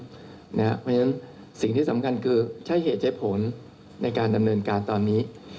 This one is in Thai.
เพราะฉะนั้นสิ่งที่สำคัญคือใช้เหตุใช้ผลในการดำเนินการตอนนี้